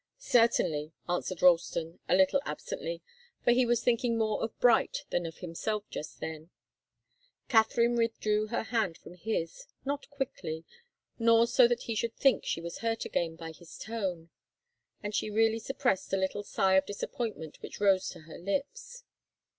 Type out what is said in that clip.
"Certainly," answered Ralston, a little absently, for he was thinking more of Bright than of himself just then. Katharine withdrew her hand from his, not quickly, nor so that he should think she was hurt again by his tone. And she really suppressed the little sigh of disappointment which rose to her lips.